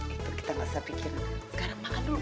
itu kita gak usah bikin sekarang makan dulu